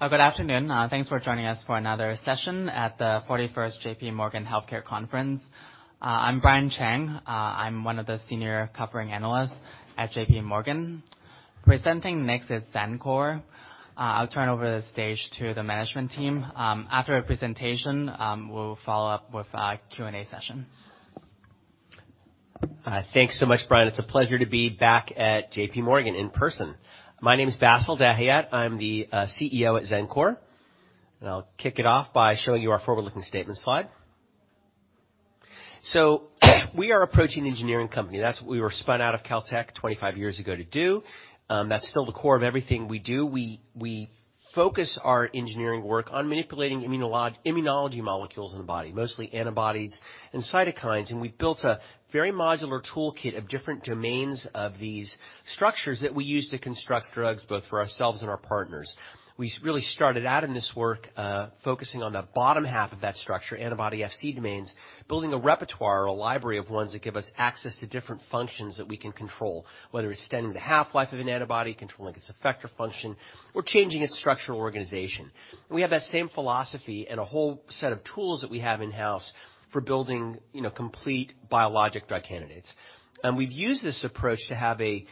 Good afternoon. Thanks for joining us for another session at the 41st JP Morgan Healthcare Conference. I'm Brian Cheng. I'm one of the senior covering analysts at JP Morgan. Presenting next is Xencor. I'll turn over the stage to the management team. After the presentation, we'll follow up with a Q&A session. Thanks so much, Brian. It's a pleasure to be back at JPMorgan in person. My name is Bassil Dahiyat. I'm the CEO at Xencor. I'll kick it off by showing you our forward-looking statement slide. We are approaching engineering company. That's what we were spun out of Caltech 25 years ago to do. That's still the core of everything we do. We focus our engineering work on manipulating immunology molecules in the body, mostly antibodies and cytokines. We've built a very modular toolkit of different domains of these structures that we use to construct drugs, both for ourselves and our partners. We really started out in this work, focusing on the bottom half of that structure, antibody Fc domains, building a repertoire or a library of ones that give us access to different functions that we can control, whether it's extending the half-life of an antibody, controlling its effector function, or changing its structural organization. We have that same philosophy and a whole set of tools that we have in-house for building, you know, complete biologic drug candidates. We've used this approach to have a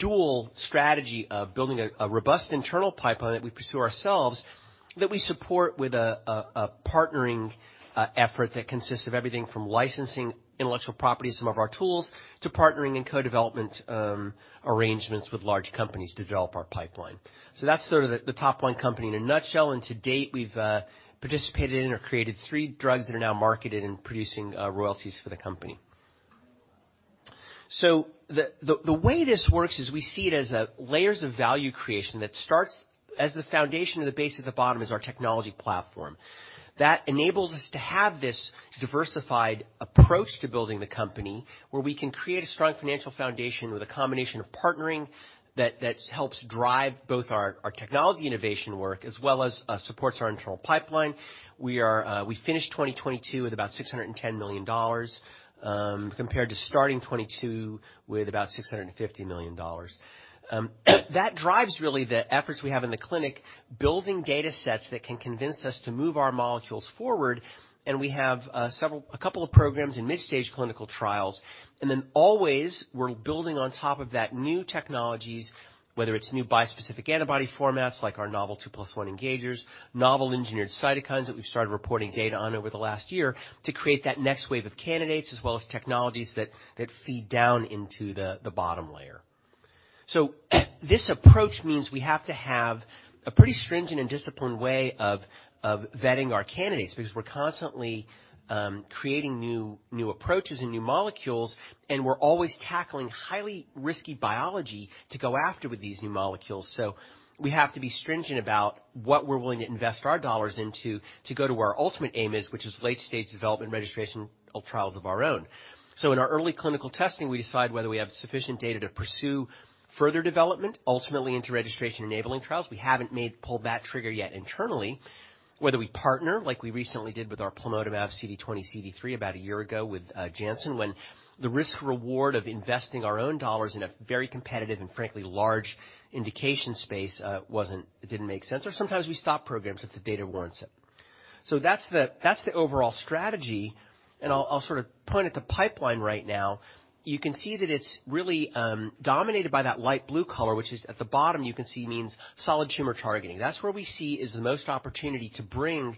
dual strategy of building a robust internal pipeline that we pursue ourselves, that we support with a partnering effort that consists of everything from licensing intellectual property, some of our tools, to partnering in co-development, arrangements with large companies to develop our pipeline. That's sort of the top-line company in a nutshell. To date, we've participated in or created three drugs that are now marketed and producing royalties for the company. The way this works is we see it as a layers of value creation that starts as the foundation of the base of the bottom is our technology platform. That enables us to have this diversified approach to building the company where we can create a strong financial foundation with a combination of partnering that helps drive both our technology innovation work as well as supports our internal pipeline. We are, we finished 2022 with about $610 million, compared to starting 2022 with about $650 million. That drives really the efforts we have in the clinic building data sets that can convince us to move our molecules forward. We have a couple of programs in mid-stage clinical trials. Always we're building on top of that new technologies, whether it's new bispecific antibody formats like our novel 2+1 engagers, novel engineered cytokines that we've started reporting data on over the last year to create that next wave of candidates as well as technologies that feed down into the bottom layer. This approach means we have to have a pretty stringent and disciplined way of vetting our candidates because we're constantly creating new approaches and new molecules, and we're always tackling highly risky biology to go after with these new molecules. We have to be stringent about what we're willing to invest our dollars into to go to where our ultimate aim is, which is late-stage development registration of trials of our own. In our early clinical testing, we decide whether we have sufficient data to pursue further development, ultimately into registration-enabling trials. We haven't pulled that trigger yet internally. Whether we partner, like we recently did with our plamotamab CD20 CD3 about a year ago with Janssen, when the risk reward of investing our own dollars in a very competitive and frankly large indication space, didn't make sense. Sometimes we stop programs if the data warrants it. That's the, that's the overall strategy, and I'll sort of point at the pipeline right now. You can see that it's really dominated by that light blue color, which is at the bottom, you can see means solid tumor targeting. That's where we see is the most opportunity to bring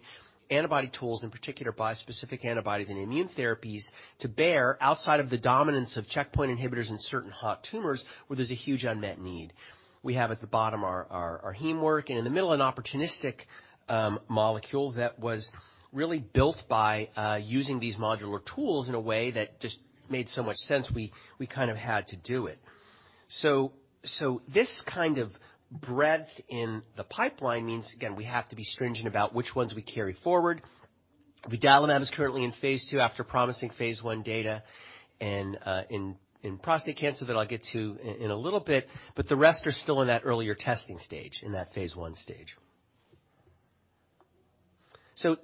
antibody tools, in particular bispecific antibodies and immune therapies, to bear outside of the dominance of checkpoint inhibitors in certain hot tumors where there's a huge unmet need. We have at the bottom our heme work and in the middle, an opportunistic molecule that was really built by using these modular tools in a way that just made so much sense, we kind of had to do it. This kind of breadth in the pipeline means, again, we have to be stringent about which ones we carry forward. vudalimab is currently in phase two after promising phase one data and in prostate cancer that I'll get to in a little bit. The rest are still in that earlier testing stage, in that phase one stage.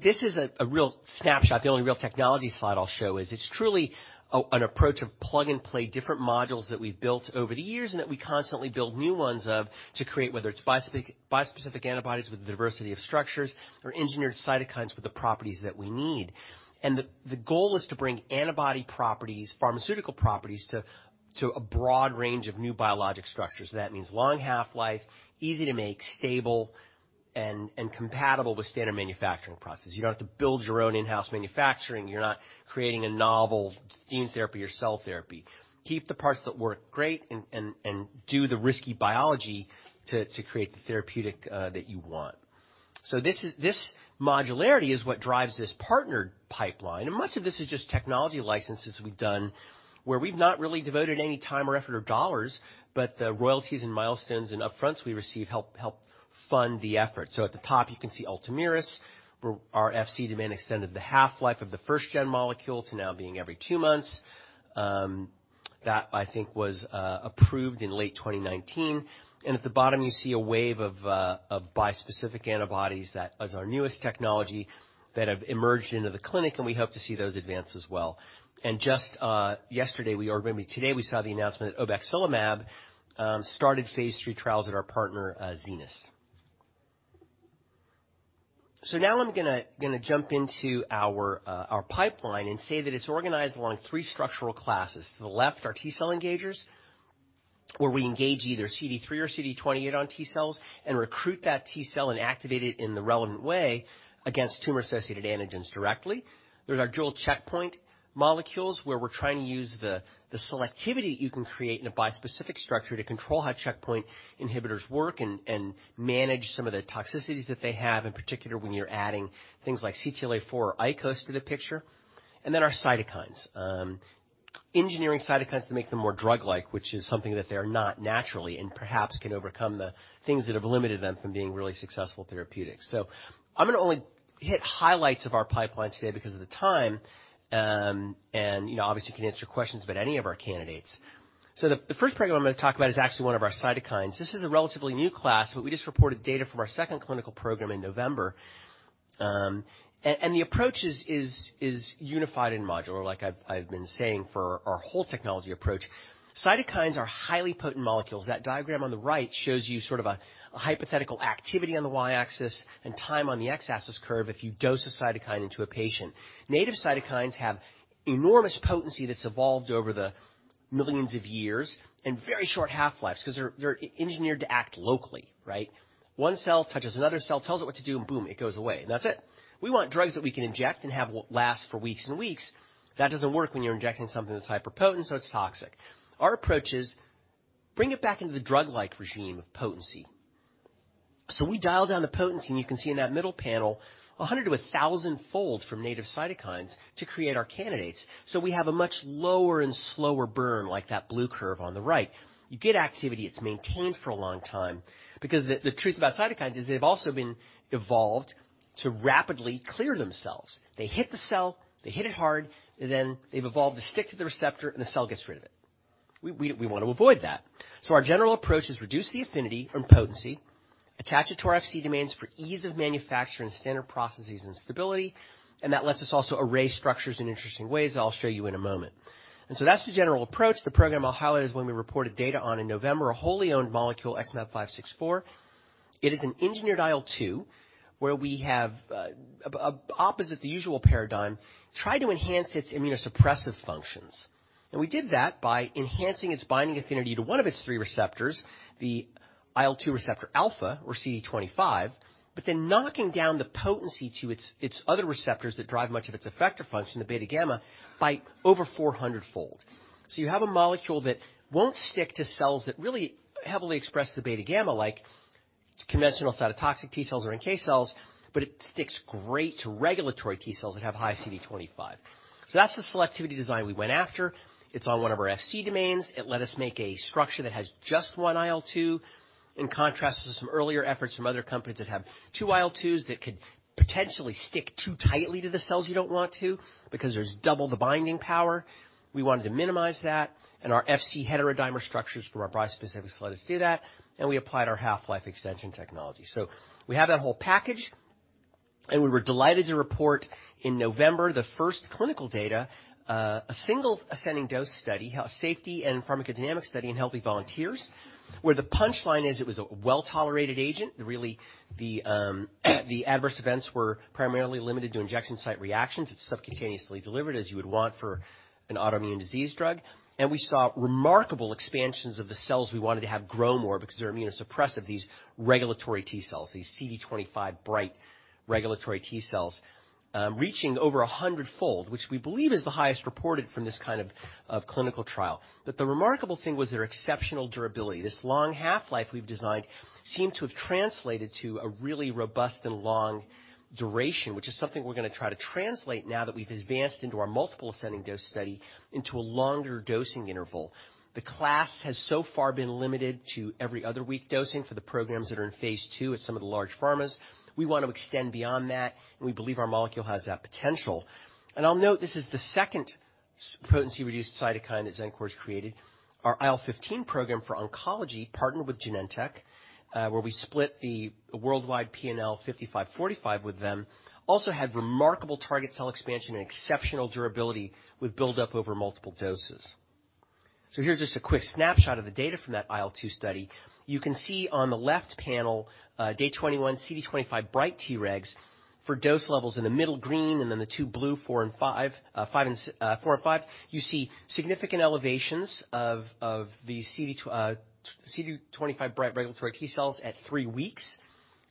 This is a real snapshot. The only real technology slide I'll show is it's truly an approach of plug-and-play different modules that we've built over the years and that we constantly build new ones of to create, whether it's bispecific antibodies with the diversity of structures or engineered cytokines with the properties that we need. The goal is to bring antibody properties, pharmaceutical properties to a broad range of new biologic structures. That means long half-life, easy to make, stable and compatible with standard manufacturing processes. You don't have to build your own in-house manufacturing. You're not creating a novel gene therapy or cell therapy. Keep the parts that work great and do the risky biology to create the therapeutic that you want. This modularity is what drives this partnered pipeline, and much of this is just technology licenses we've done where we've not really devoted any time or effort or dollars, but the royalties and milestones and upfronts we receive help fund the effort. At the top you can see Ultomiris, where our Fc domain extended the half-life of the first gen molecule to now being every two months. That I think was approved in late 2019. At the bottom you see a wave of bispecific antibodies that is our newest technology that have emerged into the clinic, and we hope to see those advance as well. Just yesterday, we saw the announcement that obexelimab started phase three trials at our partner, Zenas BioPharma. Now I'm gonna jump into our pipeline and say that it's organized along three structural classes. To the left are T-cell engagers, where we engage either CD3 or CD28 on T-cells and recruit that T-cell and activate it in the relevant way against tumor-associated antigens directly. There's our dual checkpoint molecules where we're trying to use the selectivity you can create in a bispecific structure to control how checkpoint inhibitors work and manage some of the toxicities that they have, in particular when you're adding things like CTLA-4 or ICOS to the picture. Our cytokines. Engineering cytokines to make them more drug-like, which is something that they are not naturally and perhaps can overcome the things that have limited them from being really successful therapeutics. I'm gonna only hit highlights of our pipeline today because of the time. You know, obviously can answer questions about any of our candidates. The first program I'm gonna talk about is actually one of our cytokines. This is a relatively new class, but we just reported data from our second clinical program in November. And the approach is unified and modular, like I've been saying for our whole technology approach. Cytokines are highly potent molecules. That diagram on the right shows you sort of a hypothetical activity on the Y-axis and time on the X-axis curve if you dose a cytokine into a patient. Native cytokines have enormous potency that's evolved over the millions of years and very short half-lives 'cause they're engineered to act locally, right? One cell touches another cell, tells it what to do, and boom, it goes away, and that's it. We want drugs that we can inject and have last for weeks and weeks. That doesn't work when you're injecting something that's hyperpotent, so it's toxic. Our approach is bring it back into the drug-like regime of potency. So we dial down the potency, and you can see in that middle panel, 100 to 1,000 fold from native cytokines to create our candidates. So we have a much lower and slower burn, like that blue curve on the right. You get activity, it's maintained for a long time. Because the truth about cytokines is they've also been evolved to rapidly clear themselves. They hit the cell, they hit it hard, then they've evolved to stick to the receptor, and the cell gets rid of it. We wanna avoid that. Our general approach is reduce the affinity from potency, attach it to our Fc demands for ease of manufacture and standard processes and stability, and that lets us also array structures in interesting ways that I'll show you in a moment. That's the general approach. The program I'll highlight is when we reported data on in November, a wholly owned molecule, XmAb564. It is an engineered IL-2 where we have opposite the usual paradigm, tried to enhance its immunosuppressive functions. We did that by enhancing its binding affinity to one of its three receptors, the IL-2 receptor alpha or CD25, knocking down the potency to its other receptors that drive much of its effector function, the beta gamma, by over 400-fold. You have a molecule that won't stick to cells that really heavily express the beta gamma, like conventional cytotoxic T-cells or NK cells, but it sticks great to regulatory T-cells that have high CD25. That's the selectivity design we went after. It's on one of our Fc domains. It let us make a structure that has just 1 IL-2, in contrast to some earlier efforts from other companies that have two IL-2s that could potentially stick too tightly to the cells you don't want to, because there's double the binding power. We wanted to minimize that. Our FC heterodimer structures for our bispecifics let us do that, and we applied our half-life extension technology. We have that whole package, and we were delighted to report in November the first clinical data, a single ascending dose study, a safety and pharmacodynamic study in healthy volunteers, where the punchline is it was a well-tolerated agent. Really, the adverse events were primarily limited to injection site reactions. It's subcutaneously delivered, as you would want for an autoimmune disease drug. We saw remarkable expansions of the cells we wanted to have grow more because they're immunosuppressive, these regulatory T-cells, these CD25 bright regulatory T-cells, reaching over 100-fold, which we believe is the highest reported from this kind of clinical trial. The remarkable thing was their exceptional durability. This long half-life we've designed seemed to have translated to a really robust and long duration, which is something we're gonna try to translate now that we've advanced into our multiple ascending dose study into a longer dosing interval. The class has so far been limited to every other week dosing for the programs that are in phase 2 at some of the large pharmas. We want to extend beyond that, and we believe our molecule has that potential. I'll note this is the second potency reduced cytokine that Xencor created. Our IL-15 program for oncology, partnered with Genentech, where we split the worldwide P&L 55/45 with them, also had remarkable target cell expansion and exceptional durability with buildup over multiple doses. Here's just a quick snapshot of the data from that IL-2 study. You can see on the left panel, day 21 CD25 bright Tregs for dose levels in the middle green and then the two blue, four and five. You see significant elevations of the CD25 bright regulatory T-cells at three weeks.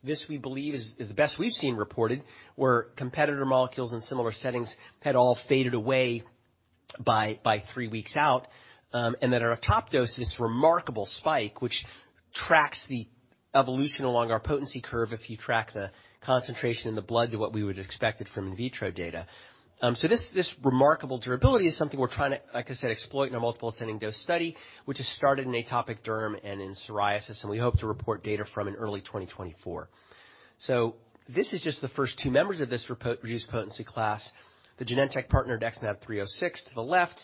This, we believe, is the best we've seen reported, where competitor molecules in similar settings had all faded away by three weeks out. Then at our top dose, this remarkable spike, which tracks the evolution along our potency curve if you track the concentration in the blood to what we would expected from in vitro data. this remarkable durability is something we're trying to, like I said, exploit in our multiple ascending dose study, which is started in atopic derm and in psoriasis, and we hope to report data from in early 2024. this is just the first two members of thisreduced-potency class, the Genentech partner XmAb306 to the left,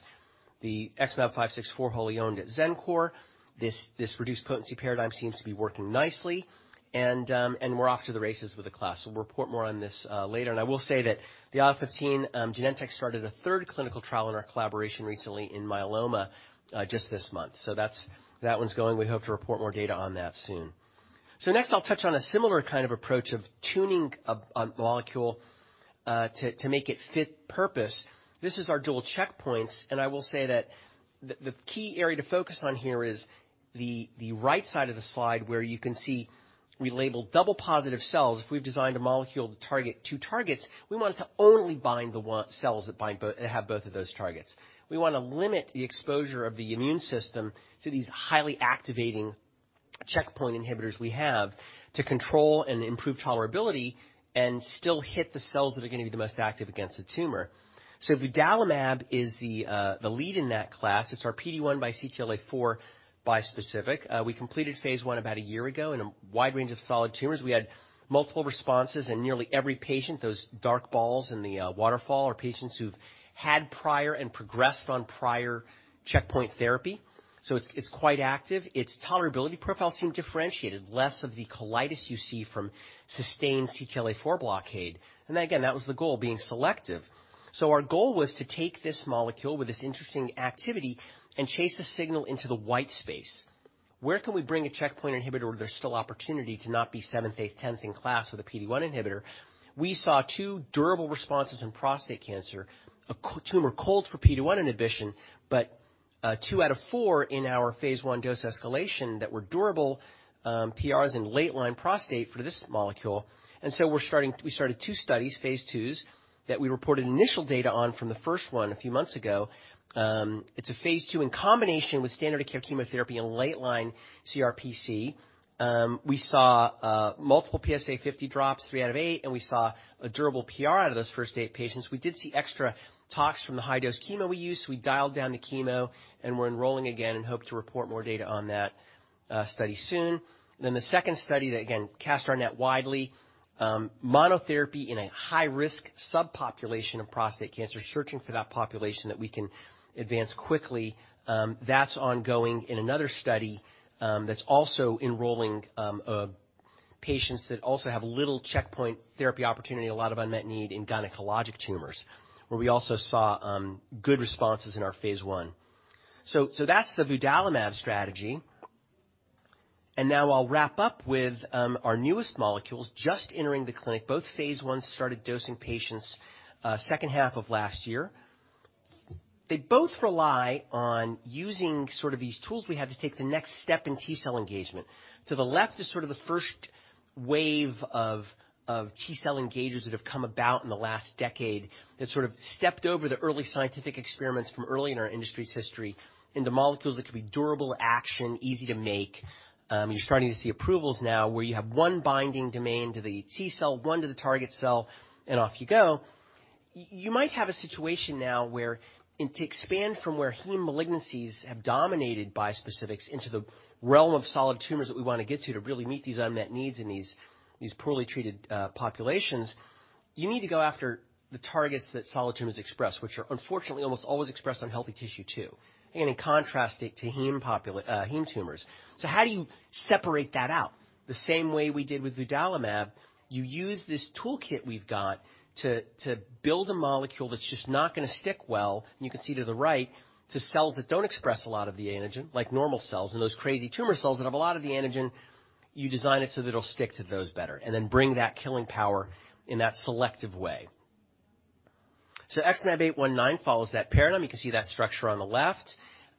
the XmAb564 wholly owned at Xencor. This, this reduced potency paradigm seems to be working nicely and we're off to the races with the class. We'll report more on this later. I will say that the IL-15 Genentech started a third clinical trial in our collaboration recently in myeloma just this month. That one's going. We hope to report more data on that soon. Next, I'll touch on a similar kind of approach of tuning a molecule to make it fit purpose. This is our dual checkpoints. I will say that the key area to focus on here is the right side of the slide, where you can see we label double positive cells. If we've designed a molecule to target two targets, we want it to only bind cells that bind both that have both of those targets. We wanna limit the exposure of the immune system to these highly activating checkpoint inhibitors we have to control and improve tolerability and still hit the cells that are gonna be the most active against the tumor. Vudalimab is the lead in that class. It's our PD-1 by CTLA-4 bispecific. We completed phase 1 about a year ago in a wide range of solid tumors. We had multiple responses in nearly every patient. Those dark balls in the waterfall are patients who've had prior and progressed on prior checkpoint therapy, it's quite active. Its tolerability profile seemed differentiated, less of the colitis you see from sustained CTLA-4 blockade. Again, that was the goal, being selective. Our goal was to take this molecule with this interesting activity and chase the signal into the white space. Where can we bring a checkpoint inhibitor where there's still opportunity to not be 7th, 8th, 10th in class with a PD-1 inhibitor? We saw two durable responses in prostate cancer, a tumor cold for PD-1 inhibition, two out of four in our phase one dose escalation that were durable PRs in late-line prostate for this molecule. We started two studies, phase twos, that we reported initial data on from the first one a few months ago. It's a phase two in combination with standard of care chemotherapy in late-line CRPC. We saw multiple PSA 50 drops, three out of eight, we saw a durable PR out of those first eight patients. We did see extra tox from the high dose chemo we used, we dialed down the chemo and we're enrolling again and hope to report more data on that study soon. The second study that again cast our net widely, monotherapy in a high-risk subpopulation of prostate cancer, searching for that population that we can advance quickly, that's ongoing in another study, that's also enrolling patients that also have little checkpoint therapy opportunity, a lot of unmet need in gynecologic tumors, where we also saw good responses in our phase 1. So that's the vudalimab strategy. Now I'll wrap up with our newest molecules just entering the clinic, both phase 1s started dosing patients second half of last year. They both rely on using sort of these tools we have to take the next step in T-cell engagement. To the left is sort of the first wave of T-cell engagers that have come about in the last decade that sort of stepped over the early scientific experiments from early in our industry's history into molecules that could be durable action, easy to make. You're starting to see approvals now where you have one binding domain to the T cell, one to the target cell, and off you go. You might have a situation now where and to expand from where heme malignancies have dominated bispecifics into the realm of solid tumors that we wanna get to really meet these unmet needs in these poorly treated, populations, you need to go after the targets that solid tumors express, which are unfortunately almost always expressed on healthy tissue too, and in contrast to heme tumors. How do you separate that out? The same way we did with vudalimab, you use this toolkit we've got to build a molecule that's just not gonna stick well, and you can see to the right, to cells that don't express a lot of the antigen, like normal cells, and those crazy tumor cells that have a lot of the antigen, you design it so that it'll stick to those better and then bring that killing power in that selective way. XmAb819 follows that paradigm. You can see that structure on the left.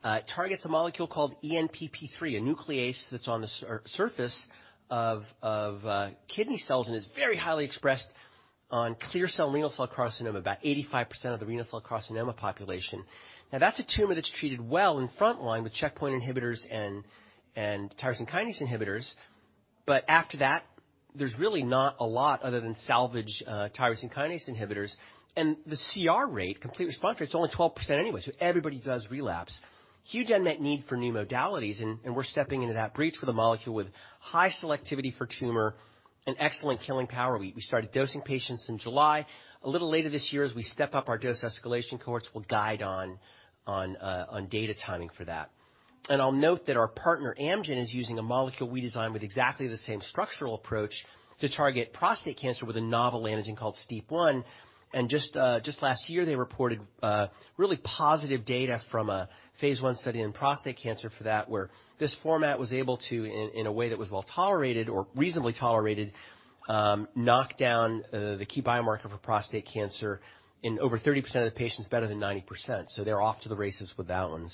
It targets a molecule called ENPP3, a nuclease that's on the surface of, kidney cells and is very highly expressed on clear cell renal cell carcinoma, about 85% of the renal cell carcinoma population. That's a tumor that's treated well in frontline with checkpoint inhibitors and tyrosine kinase inhibitors, but after that, there's really not a lot other than salvage tyrosine kinase inhibitors. The CR rate, complete response rate, it's only 12% anyway, so everybody does relapse. Huge unmet need for new modalities and we're stepping into that breach with a molecule with high selectivity for tumor and excellent killing power. We started dosing patients in July. A little later this year, as we step up our dose escalation cohorts, we'll guide on data timing for that. I'll note that our partner Amgen is using a molecule we designed with exactly the same structural approach to target prostate cancer with a novel antigen called STEAP1. Just last year, they reported really positive data from a phase one study in prostate cancer for that, where this format was able to, in a way that was well-tolerated or reasonably tolerated, knock down the key biomarker for prostate cancer in over 30% of the patients, better than 90%. They're off to the races with that one.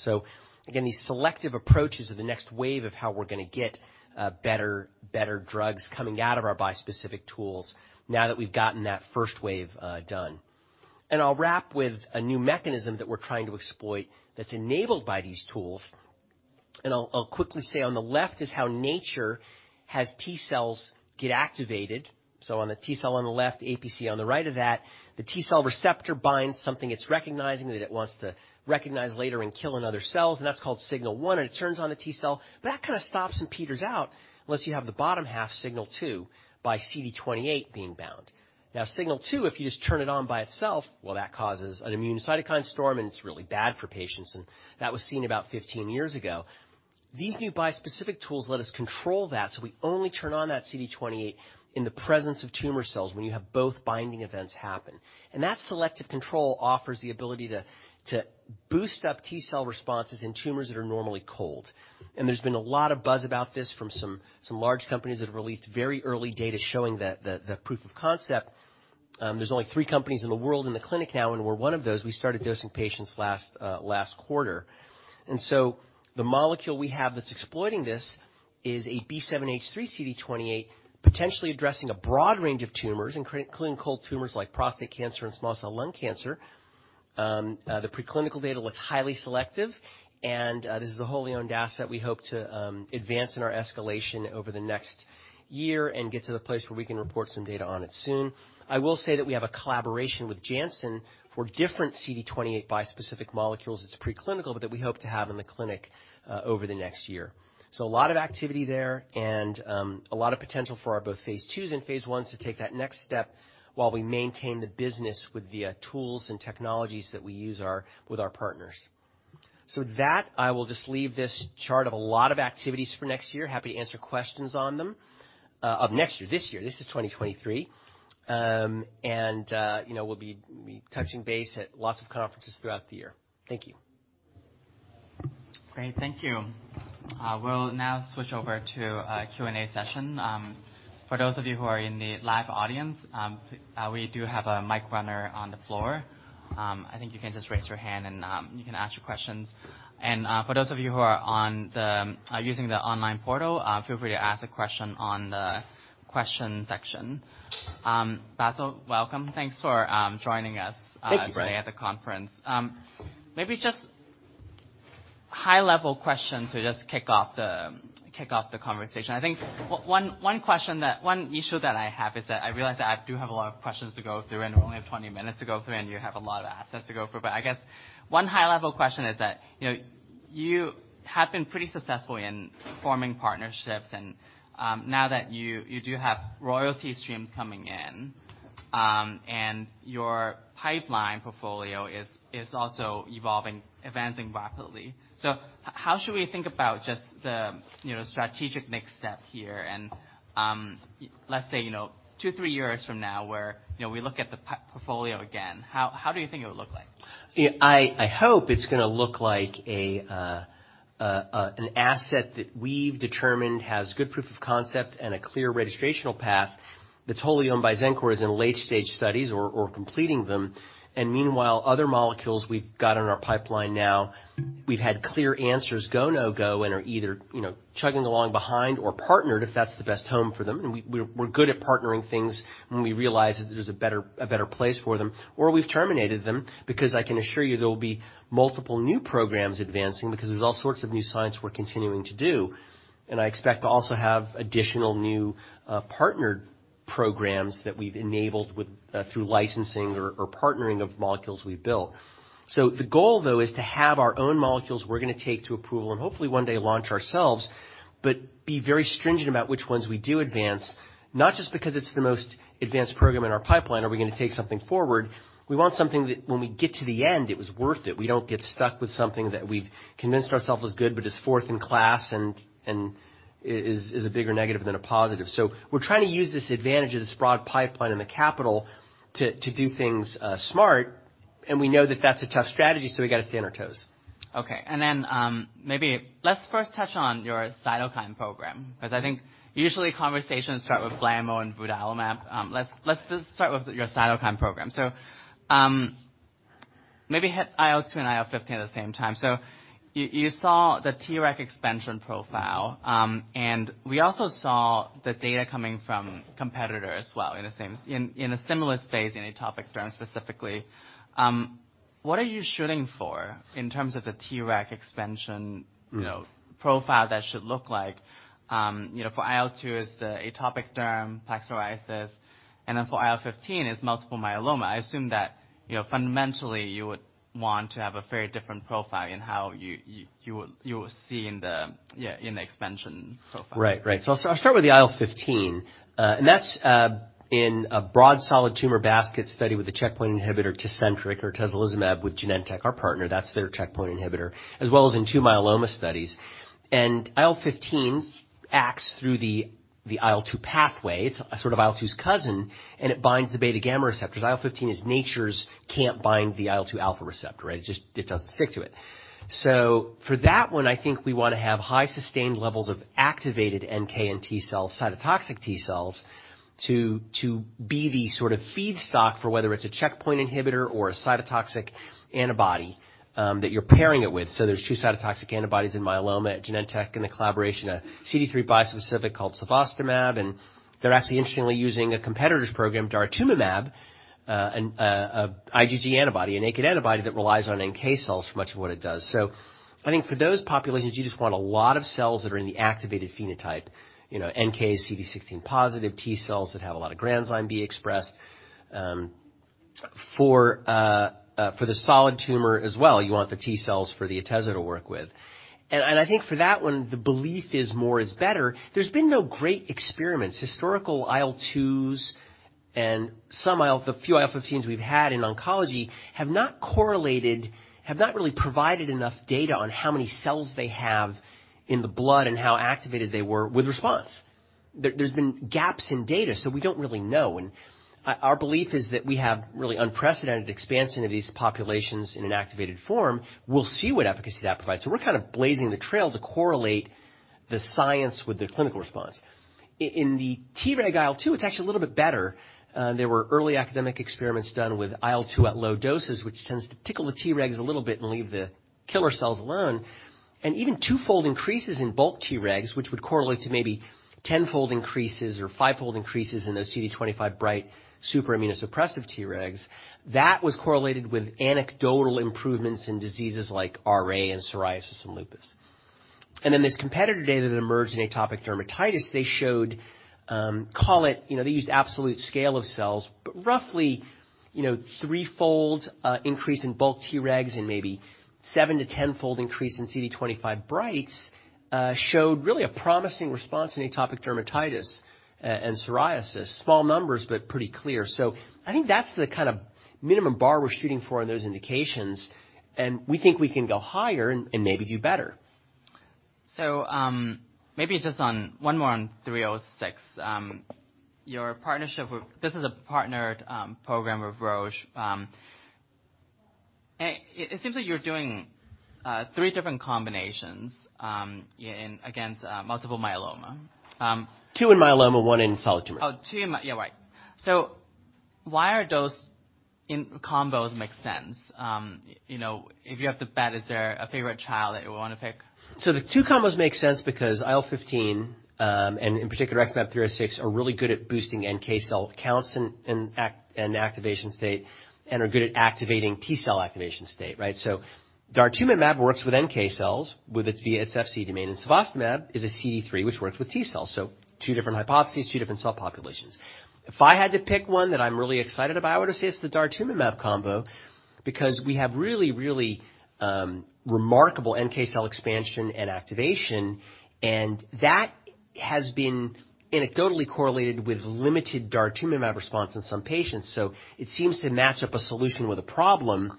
Again, these selective approaches are the next wave of how we're gonna get better drugs coming out of our bispecific tools now that we've gotten that first wave done. I'll wrap with a new mechanism that we're trying to exploit that's enabled by these tools. I'll quickly say on the left is how nature has T cells get activated. On the T-cell on the left, APC on the right of that, the T-cell receptor binds something it's recognizing that it wants to recognize later and kill in other cells, and that's called signal one, and it turns on the T-cell. That kinda stops and peters out unless you have the bottom half, signal two, by CD28 being bound. Signal two, if you just turn it on by itself, well, that causes an immune cytokine storm, and it's really bad for patients. That was seen about 15 years ago. These new bispecific tools let us control that, so we only turn on that CD28 in the presence of tumor cells when you have both binding events happen. That selective control offers the ability to boost up T-cell responses in tumors that are normally cold. There's been a lot of buzz about this from some large companies that have released very early data showing the, the proof of concept. There's only three companies in the world in the clinic now, and we're one of those. We started dosing patients last quarter. The molecule we have that's exploiting this is a B7H3 CD28, potentially addressing a broad range of tumors, including cold tumors like prostate cancer and small cell lung cancer. The preclinical data looks highly selective, and this is a wholly owned asset we hope to advance in our escalation over the next year and get to the place where we can report some data on it soon. I will say that we have a collaboration with Janssen for different CD28 bispecific molecules that's preclinical, but that we hope to have in the clinic over the next year. A lot of activity there and a lot of potential for our both phase 2s and phase 1s to take that next step while we maintain the business with the tools and technologies that we use our, with our partners. That, I will just leave this chart of a lot of activities for next year. Happy to answer questions on them. Of next year. This year. This is 2023. You know, we'll be touching base at lots of conferences throughout the year. Thank you. Great. Thank you. We'll now switch over to a Q&A session. For those of you who are in the live audience, we do have a mic runner on the floor. I think you can just raise your hand, and you can ask your questions. For those of you who are on the using the online portal, feel free to ask a question on the question section. Bassil, welcome. Thanks for joining us- Thank you, Brian. today at the conference. Maybe just high-level question to just kick off the conversation. I think one question that... One issue that I have is that I realize that I do have a lot of questions to go through, and we only have 20 minutes to go through, and you have a lot of assets to go through. I guess one high-level question is that, you know, you have been pretty successful in forming partnerships and, now that you do have royalty streams coming in, and your pipeline portfolio is also evolving, advancing rapidly. How should we think about just the, you know, strategic next step here? Let's say, you know, 2, 3 years from now where, you know, we look at the portfolio again, how do you think it would look like? Yeah. I hope it's gonna look like an asset that we've determined has good proof of concept and a clear registrational path that's wholly owned by Xencor is in late-stage studies or completing them. Meanwhile, other molecules we've got in our pipeline now, we've had clear answers go, no-go, and are either, you know, chugging along behind or partnered if that's the best home for them. We're good at partnering things when we realize that there's a better place for them. We've terminated them because I can assure you there will be multiple new programs advancing because there's all sorts of new science we're continuing to do. I expect to also have additional new, partnered programs that we've enabled with, through licensing or partnering of molecules we've built. The goal, though, is to have our own molecules we're gonna take to approval and hopefully one day launch ourselves, be very stringent about which ones we do advance, not just because it's the most advanced program in our pipeline are we gonna take something forward. We want something that when we get to the end, it was worth it. We don't get stuck with something that we've convinced ourselves is good but is fourth in class and is a bigger negative than a positive. We're trying to use this advantage of this broad pipeline and the capital to do things, smart, and we know that that's a tough strategy, so we gotta stay on our toes. Okay. Then, maybe let's first touch on your cytokine program, because I think usually conversations start with plamotamab and vudalimab. Let's just start with your cytokine program. Maybe hit IL-2 and IL-15 at the same time. You saw the Treg expansion profile, and we also saw the data coming from competitors as well in a similar space in atopic dermatitis specifically. What are you shooting for in terms of the Treg expansion- Mm. you know, profile that should look like? You know, for IL-2 is the atopic dermatitis, plaque psoriasis, and then for IL-15 is multiple myeloma. I assume that, you know, fundamentally you would want to have a very different profile in how you would, you will see in the, yeah, in the expansion profile. Right. Right. I'll start with the IL-15. That's in a broad solid tumor basket study with a checkpoint inhibitor, Tecentriq atezolizumab with Genentech, our partner. That's their checkpoint inhibitor, as well as in t myeloma studies. IL-15 acts through the IL-2 pathway. It's sort of IL-2's cousin, and it binds the beta gamma receptors. IL-15 is nature's can't bind the IL-2 receptor alpha, right? It just it doesn't stick to it. For that one, I think we wanna have high sustained levels of activated NK and T cells, cytotoxic T cells, to be the sort of feedstock for whether it's a checkpoint inhibitor or a cytotoxic antibody that you're pairing it with. There's two cytotoxic antibodies in myeloma at Genentech in the collaboration, a CD3 bispecific called Cevostamab, and they're actually interestingly using a competitor's program, Daratumumab, an IgG antibody, a naked antibody that relies on NK cells for much of what it does. I think for those populations, you just want a lot of cells that are in the activated phenotype, you know, NK, CD16 positive T cells that have a lot of granzyme B expressed. For the solid tumor as well, you want the T-cells for the Atezol to work with. I think for that one, the belief is more is better. There's been no great experiments. Historical IL-2s and the few IL-15s we've had in oncology have not correlated, have not really provided enough data on how many cells they have in the blood and how activated they were with response. There's been gaps in data, we don't really know. Our belief is that we have really unprecedented expansion of these populations in an activated form. We'll see what efficacy that provides. We're kind of blazing the trail to correlate the science with the clinical response. In the Treg IL-2, it's actually a little bit better. There were early academic experiments done with IL-2 at low doses, which tends to tickle the Tregs a little bit and leave the killer cells alone. Even 2-fold increases in bulk Tregs, which would correlate to maybe 10-fold increases or 5-fold increases in those CD25 bright, super immunosuppressive Tregs. That was correlated with anecdotal improvements in diseases like RA and psoriasis and lupus. Then this competitor data that emerged in atopic dermatitis, they showed, call it, you know, they used absolute scale of cells, but roughly, you know, 3-fold increase in bulk Tregs and maybe 7--10-fold increase in CD25 brights, showed really a promising response in atopic dermatitis and psoriasis. Small numbers, but pretty clear. I think that's the kind of minimum bar we're shooting for in those indications, and we think we can go higher and maybe do better. Maybe just on one more on XmAb306. Your partnership with this is a partnered program with Roche. It seems like you're doing 3 different combinations against multiple myeloma. 2 in myeloma, 1 in solid tumor. Oh, two in my. Yeah, right. Why are those in combos make sense? You know, if you have to bet, is there a favorite child that you wanna pick? The two combos make sense because IL-15, and in particular XmAb306, are really good at boosting NK cell counts and activation state, and are good at activating T-cell activation state, right? Daratumumab works with NK cells with its via its Fc domain, and Cevostamab is a CD3, which works with T-cells. Two different hypotheses, two different cell populations. If I had to pick one that I'm really excited about, I would say it's the Daratumumab combo because we have really, really remarkable NK cell expansion and activation, and that has been anecdotally correlated with limited Daratumumab response in some patients. It seems to match up a solution with a problem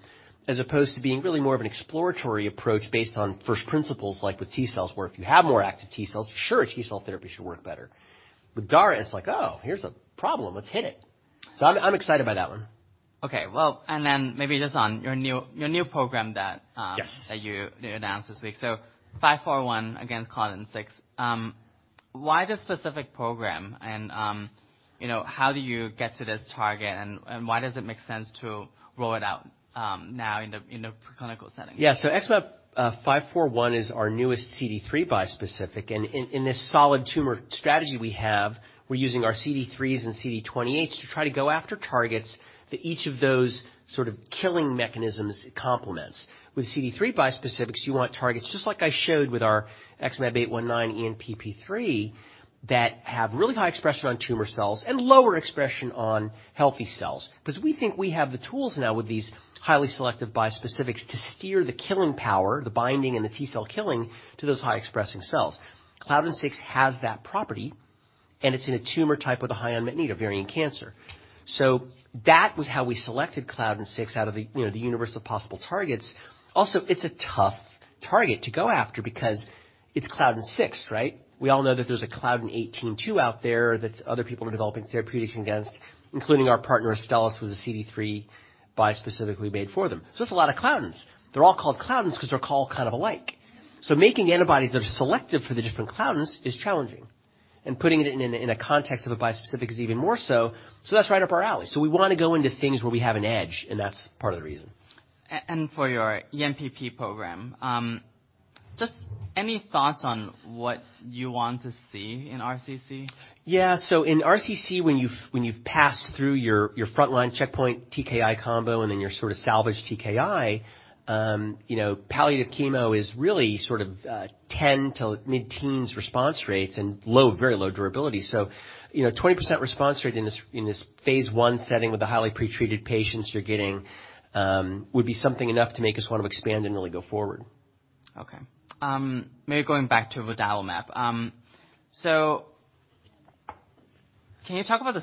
as opposed to being really more of an exploratory approach based on first principles, like with T-cells, where if you have more active T-cells, sure, a T-cell therapy should work better. With DART, it's like, "Oh, here's a problem. Let's hit it." I'm excited by that one. Okay. Then maybe just on your new, your new program that... Yes. -that you announced this week. XmAb243 against Claudin-6. Why this specific program? You know, how do you get to this target, and why does it make sense to roll it out now in the clinical setting? Yeah.XmAb243 is our newest CD3 bispecific. In this solid tumor strategy we have, we're using our CD3s and CD28s to try to go after targets that each of those sort of killing mechanisms complements. With CD3 bispecifics, you want targets just like I showed with our XmAb 819 ENPP3 that have really high expression on tumor cells and lower expression on healthy cells. 'Cause we think we have the tools now with these highly selective bispecifics to steer the killing power, the binding and the T-cell killing, to those high-expressing cells. Claudin-6 has that property, and it's in a tumor type with a high unmet need, ovarian cancer. That was how we selected Claudin-6 out of the, you know, the universe of possible targets. It's a tough target to go after because it's Claudin-6, right? We all know that there's a Claudin-18.2 too out there that other people are developing therapeutics against, including our partner Astellas with a CD3 bispecifically made for them. It's a lot of claudins. They're all called claudins because they're all kind of alike. Making antibodies that are selective for the different claudins is challenging, and putting it in a context of a bispecific is even more so. That's right up our alley. We wanna go into things where we have an edge, and that's part of the reason. For your ENPP3 program, just any thoughts on what you want to see in RCC? Yeah. In RCC, when you've, when you've passed through your frontline checkpoint TKI combo and then your sort of salvage TKI, you know, palliative chemo is really sort of, 10 to mid-teens response rates and low, very low durability. You know, 20% response rate in this, in this phase 1 setting with the highly pretreated patients you're getting, would be something enough to make us wanna expand and really go forward. Okay. maybe going back to vudalimab. Can you talk about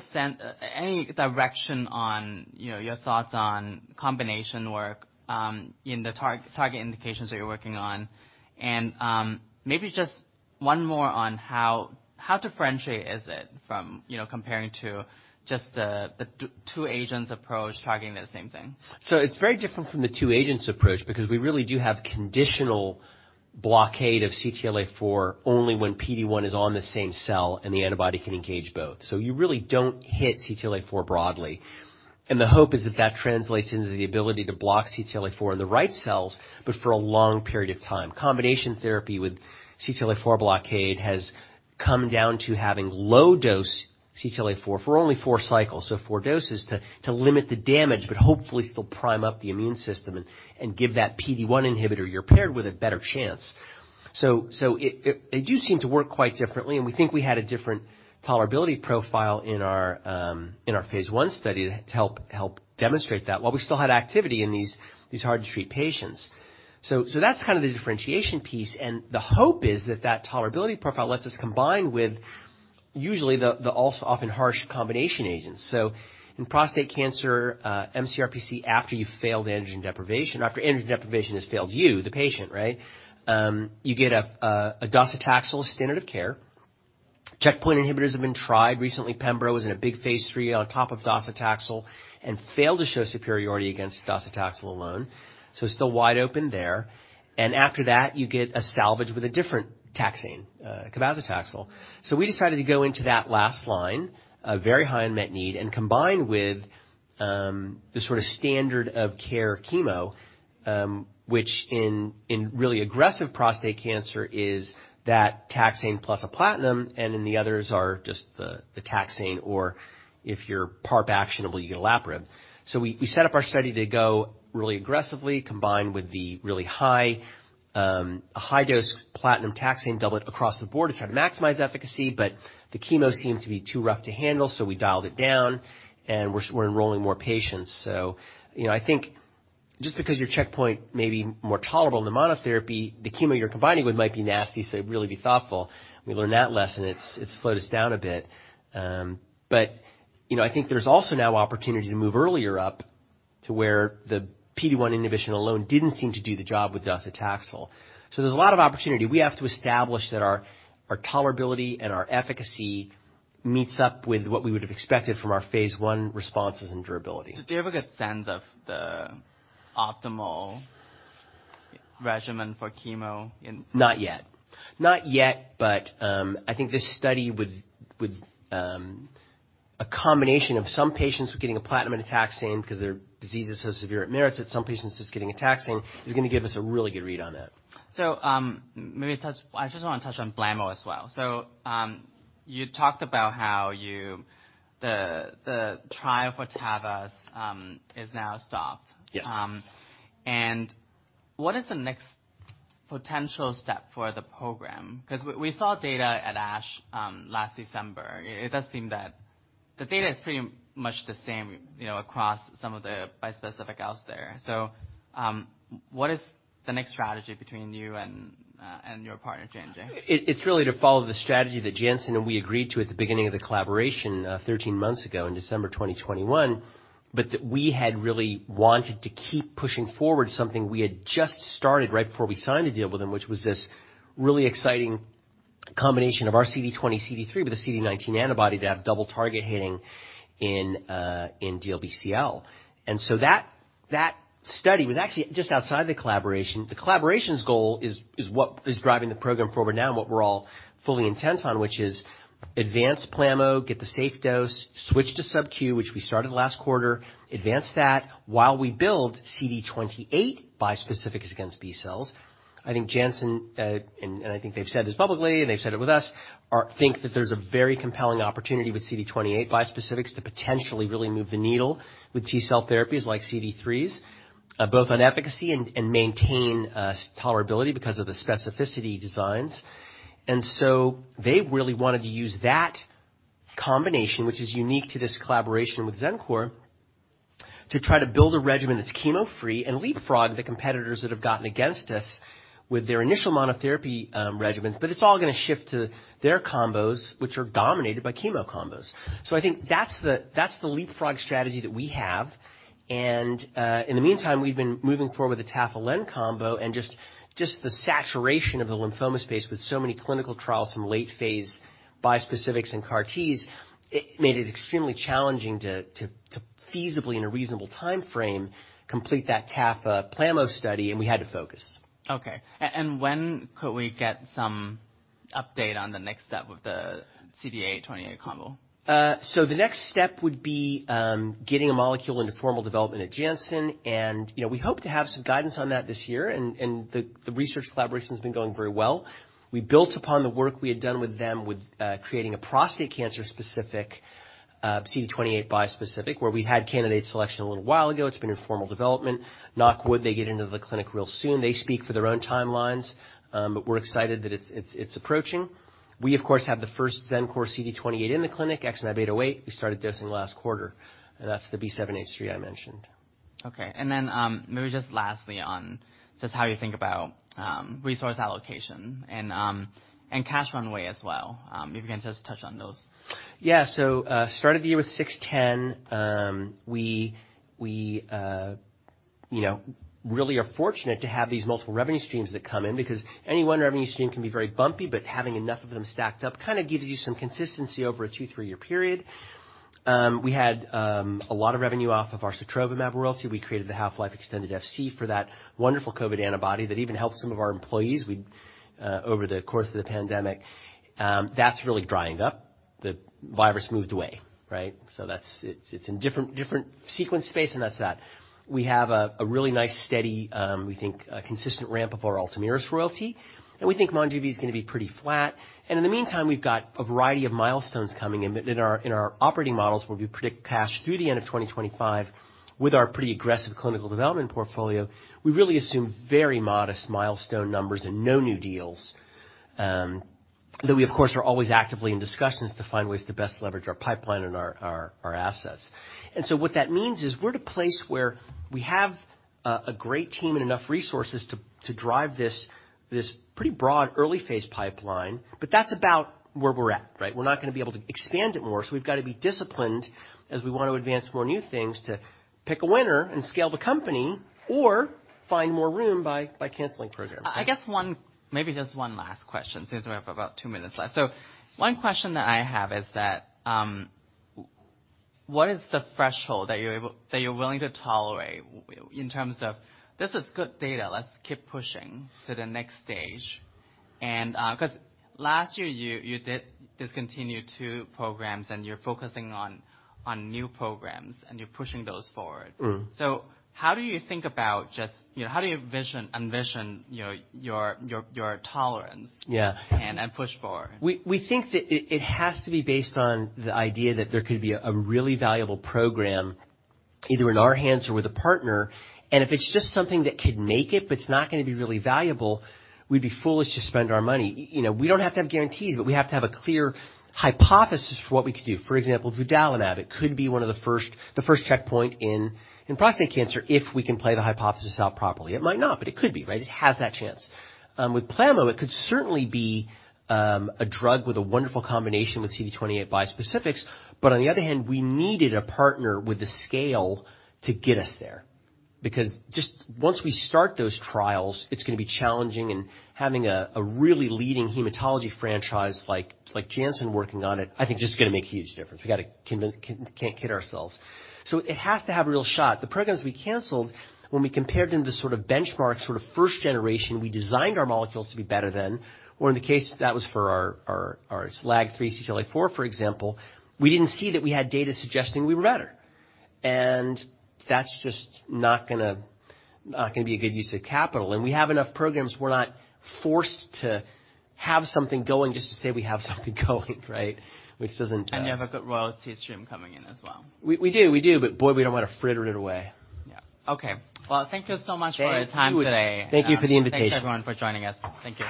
any direction on, you know, your thoughts on combination work, in target indications that you're working on? Maybe just one more on how differentiated is it from, you know, comparing to just the two agents approach targeting the same thing? It's very different from the 2 agents approach because we really do have conditional blockade of CTLA-4 only when PD-1 is on the same cell, and the antibody can engage both. You really don't hit CTLA-4 broadly, and the hope is that that translates into the ability to block CTLA-4 in the right cells, but for a long period of time. Combination therapy with CTLA-4 blockade has come down to having low dose CTLA-4 for only four cycles, so four doses to limit the damage, but hopefully still prime up the immune system and give that PD-1 inhibitor you're paired with a better chance. It do seem to work quite differently, and we think we had a different tolerability profile in our in our phase I study to help demonstrate that while we still had activity in these hard to treat patients. That's kind of the differentiation piece, and the hope is that that tolerability profile lets us combine with usually the also often harsh combination agents. In prostate cancer, mCRPC, after you've failed androgen deprivation, after androgen deprivation has failed you, the patient, right? You get a docetaxel standard of care. Checkpoint inhibitors have been tried recently. Pembro was in a big phase III on top of docetaxel and failed to show superiority against docetaxel alone, so it's still wide open there. After that, you get a salvage with a different taxane, Cabazitaxel. We decided to go into that last line, a very high unmet need, and combine with the sort of standard of care chemo, which in really aggressive prostate cancer is that taxane plus a platinum, and then the others are just the taxane or if you're PARP actionably, you get Olaparib. We set up our study to go really aggressively combined with the really high, a high-dose platinum taxane doublet across the board to try to maximize efficacy, but the chemo seemed to be too rough to handle. We dialed it down and we're enrolling more patients. You know, I think just because your checkpoint may be more tolerable in the monotherapy, the chemo you're combining with might be nasty. Really be thoughtful. We learned that lesson. It's slowed us down a bit. You know, I think there's also now opportunity to move earlier up to where the PD-1 inhibition alone didn't seem to do the job with docetaxel. There's a lot of opportunity. We have to establish that our tolerability and our efficacy meets up with what we would have expected from our phase one responses and durability. Do you have a good sense of the optimal regimen for chemo in. Not yet. Not yet. A combination of some patients getting a platinum and a taxane 'cause their disease is so severe, it merits it. Some patients just getting a taxane is gonna give us a really good read on that. I just wanna touch on Plamo as well. You talked about. The trial for Tafasitamab is now stopped. Yes. What is the next potential step for the program? 'Cause we saw data at ASH, last December. It does seem that the data is pretty much the same, you know, across some of the bispecific outs there. What is the next strategy between you and your partner, Janssen? It's really to follow the strategy that Janssen and we agreed to at the beginning of the collaboration, 13 months ago in December 2021, but that we had really wanted to keep pushing forward something we had just started right before we signed the deal with them, which was this really exciting combination of our CD20, CD3 with a CD19 antibody to have double target hitting in DLBCL. That study was actually just outside the collaboration. The collaboration's goal is what is driving the program forward now and what we're all fully intent on, which is advance Plamo, get the safe dose, switch to Sub-Q, which we started last quarter, advance that while we build CD28 bispecifics against B cells. I think Janssen, and I think they've said this publicly, and they've said it with us, think that there's a very compelling opportunity with CD28 bispecifics to potentially really move the needle with T-cell therapies like CD3s, both on efficacy and maintain tolerability because of the specificity designs. They really wanted to use that combination, which is unique to this collaboration with Xencor, to try to build a regimen that's chemo-free and leapfrog the competitors that have gotten against us with their initial monotherapy, regimens. It's all gonna shift to their combos, which are dominated by chemo combos. I think that's the leapfrog strategy that we have.In the meantime, we've been moving forward with the Tafa-Len Okay. When could we get some update on the next step with the CD28 combo? The next step would be getting a molecule into formal development at Janssen. You know, we hope to have some guidance on that this year, and the research collaboration's been going very well. We built upon the work we had done with them with creating a prostate cancer specific CD28 bispecific, where we had candidate selection a little while ago. It's been in formal development. Knock wood, they get into the clinic real soon. They speak for their own timelines. We're excited that it's approaching. We, of course, have the first Xencor CD28 in the clinic, XmAb808. We started dosing last quarter. That's the B7-H3 I mentioned. Okay. maybe just lastly on just how you think about resource allocation and cash runway as well, if you can just touch on those. Yeah. Started the year with $610 million. We, you know, really are fortunate to have these multiple revenue streams that come in because any one revenue stream can be very bumpy, but having enough of them stacked up kinda gives you some consistency over a two, three-year period. We had a lot of revenue off of our Sotrovimab royalty. We created the half-life extended Fc for that wonderful COVID antibody that even helped some of our employees we over the course of the pandemic. That's really drying up. The virus moved away, right? That's. It's in different sequence space, and that's that. We have a really nice, steady, we think, a consistent ramp of our Ultomiris royalty, and we think Monjuvi is gonna be pretty flat. In the meantime, we've got a variety of milestones coming in in our operating models, where we predict cash through the end of 2025 with our pretty aggressive clinical development portfolio. We really assume very modest milestone numbers and no new deals. That we, of course, are always actively in discussions to find ways to best leverage our pipeline and our assets. What that means is we're at a place where we have a great team and enough resources to drive this pretty broad early phase pipeline, but that's about where we're at, right. We're not gonna be able to expand it more, so we've gotta be disciplined as we wanna advance more new things to pick a winner and scale the company or find more room by canceling programs. I guess one... Maybe just one last question since we have about two minutes left. One question that I have is that, what is the threshold that you're willing to tolerate in terms of this is good data, let's keep pushing to the next stage and, 'cause last year you did discontinue two programs and you're focusing on new programs, and you're pushing those forward. Mm. How do you think about just, you know, how do you envision, you know, your tolerance. Yeah. push forward? We think that it has to be based on the idea that there could be a really valuable program either in our hands or with a partner, and if it's just something that could make it, but it's not gonna be really valuable, we'd be foolish to spend our money. You know, we don't have to have guarantees, but we have to have a clear hypothesis for what we could do. For example, vudalimab, it could be one of the first checkpoint in prostate cancer if we can play the hypothesis out properly. It might not, but it could be, right? It has that chance. With plamo, it could certainly be a drug with a wonderful combination with CD28 bispecifics, but on the other hand, we needed a partner with the scale to get us there. Just once we start those trials, it's gonna be challenging and having a really leading hematology franchise like Janssen working on it, I think just gonna make a huge difference. We gotta can't kid ourselves. It has to have a real shot. The programs we canceled when we compared them to sort of benchmark sort of first generation, we designed our molecules to be better than. In the case that was for our LAG-3/CTLA-4, for example, we didn't see that we had data suggesting we were better. That's just not gonna be a good use of capital. We have enough programs we're not forced to have something going just to say we have something going right? Which doesn't. You have a good royalty stream coming in as well. We do. Boy, we don't wanna fritter it away. Yeah. Okay. Well, thank you so much for... Thank you. your time today. Thank you for the invitation. Thanks everyone for joining us. Thank you.